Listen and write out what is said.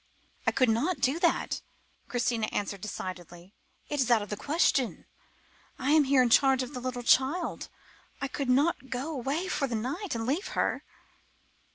"I could not do that," Christina answered decidedly; "it is out of the question. I am here in charge of a little child. I could not go away for the night, and leave her."